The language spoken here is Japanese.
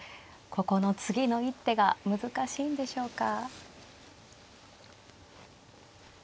ここの次の一手が難しいんでしょうか。